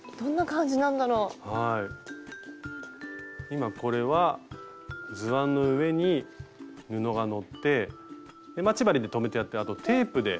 今これは図案の上に布が載って待ち針で留めてあってあとテープで。